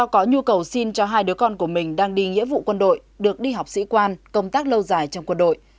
có nhu cầu xin cho hai đứa con của mình đang đi nghĩa vụ quân đội được đi học sĩ quan công tác lâu dài trong quân đội